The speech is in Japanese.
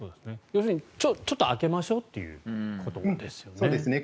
要するにちょっと空けましょうということですよね。